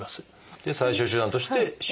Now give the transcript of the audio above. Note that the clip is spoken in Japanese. で最終手段として「手術」。